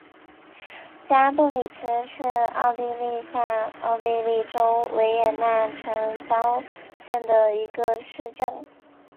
加布里茨是奥地利下奥地利州维也纳城郊县的一个市镇。